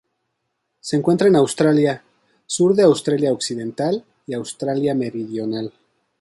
Se encuentra en Australia: sur de Australia Occidental y Australia Meridional.